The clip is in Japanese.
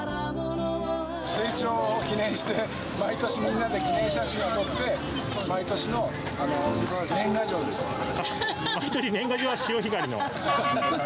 成長を記念して、毎年みんなで記念写真を撮って、毎年年賀状、潮干狩りの？